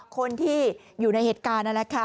คนที่อยู่ในเหตุการณ์นั่นแหละค่ะ